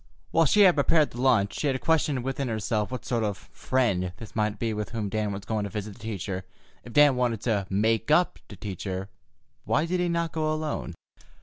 While she had prepared the lunch, she had questioned within herself what sort of "friend" this might be with whom Dan was going to visit the teacher. If Dan wanted to "make up" to Teacher, why did he not go alone?